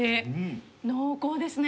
濃厚ですね。